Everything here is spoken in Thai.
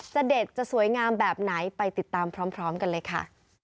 เด็ดจะสวยงามแบบไหนไปติดตามพร้อมกันเลยค่ะ